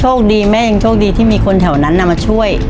ยังโชคดีเม่ยังโชคดีที่มีคนแถวนั้นน่ะมาช่วย